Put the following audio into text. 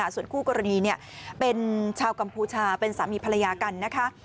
ส่วนคู่กรณีเป็นชาวกัมพูชาเป็นสามีภรรยากันนะคะ